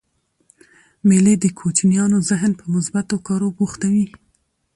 مېلې د کوچنيانو ذهن په مثبتو کارو بوختوي.